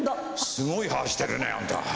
すごい歯してるねあんた。